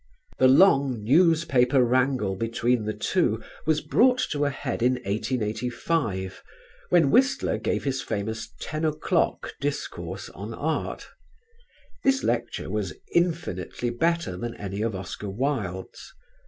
The long newspaper wrangle between the two was brought to a head in 1885, when Whistler gave his famous Ten o'clock discourse on Art. This lecture was infinitely better than any of Oscar Wilde's.